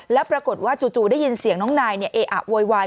แล้วปรากฏว่าจู่ได้ยินเสียงน้องนายเออะโวยวาย